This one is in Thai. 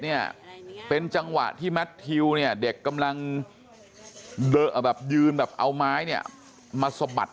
เนี่ยเป็นจังหวะที่แมททิวเนี่ยเด็กกำลังแบบยืนแบบเอาไม้เนี่ยมาสะบัด